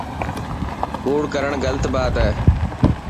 ڪوڙ ڪرڻ غلط بات هي.